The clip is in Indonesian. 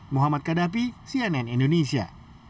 muhammad kadapi cnn indonesia